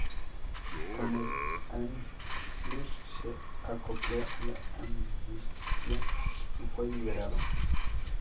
Con el Anschluss se acopló a la amnistía y fue liberado.